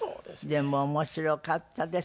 でも面白かったですね。